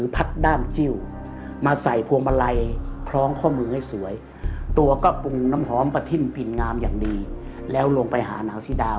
พี่ป๋องน้ำหอมปะทิ้นผิดงามอย่างดีแล้วลงไปหานางสีดา